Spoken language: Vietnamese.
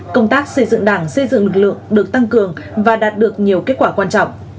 công tác xây dựng đảng xây dựng lực lượng được tăng cường và đạt được nhiều kết quả quan trọng